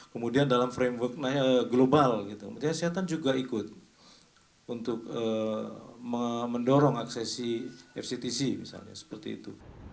kemudian dalam framework global kesehatan juga ikut untuk mendorong aksesi fctc misalnya seperti itu